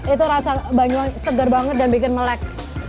itu rasa banyuwangi segar banget dan bikin melek